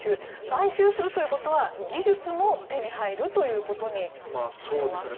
買収するということは技術も手に入るということになりますね。